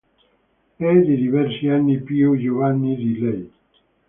È di diversi anni più giovane di lei.